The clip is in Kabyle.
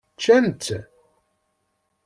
Ččant-tt?